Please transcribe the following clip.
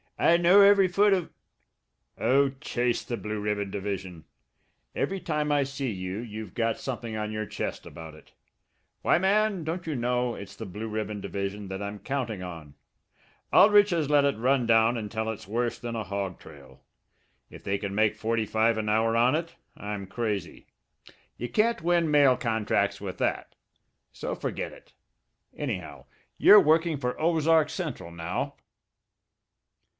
I know every foot o' " "Oh, chase the Blue Ribbon division! Every time I see you you've got something on your chest about it. Why, man, don't you know it's the Blue Ribbon division that I'm counting on! Aldrich has let it run down until it's worse than a hog trail. If they can make forty five an hour on it, I'm crazy. You can't win mail contracts with that. So forget it. Anyhow, you're working for the Ozark Central now."